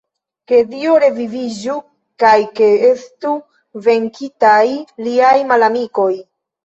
Ke Dio reviviĝu kaj ke estu venkitaj liaj malamikoj!